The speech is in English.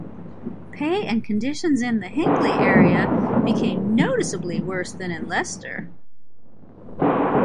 Pay and conditions in the Hinckley area became noticeably worse than in Leicester.